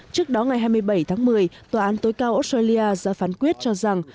trước đó ngày hai mươi bảy tháng một mươi tòa án tối cao australia ra phán quyết cho rằng